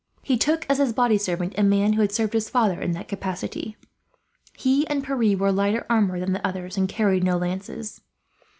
He took as his body servant a man who had served his father in that capacity. He and Pierre wore lighter armour than the others, and carried no lances.